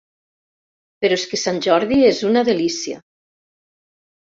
Però és que Sant Jordi és una delícia.